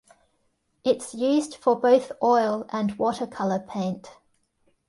It's used for both oil and water color paint.